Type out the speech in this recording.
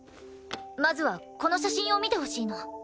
まずはこの写真を見てほしいの。